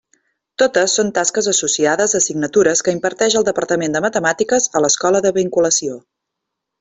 Totes són tasques associades a assignatures que imparteix el departament de Matemàtiques a l'escola de vinculació.